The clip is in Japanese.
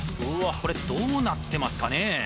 これどうなってますかね？